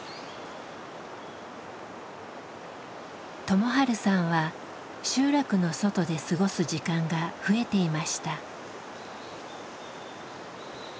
友治さんは集落の外で過ごす時間が増えていました。